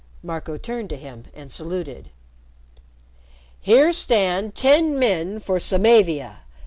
Marco turned to him and saluted. "Here stand ten men for Samavia.